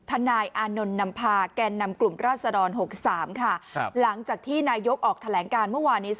ด้วยเฉพาะธนายอานนนญ์นำพาแก่นนำกลุ่มราชศรรนธนาภาคลี่หกสามหลังจากที่นายกธนาศ์ออกถลังการเมื่อวานนี้